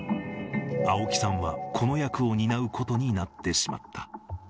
青木さんは、この役を担うことになってしまった。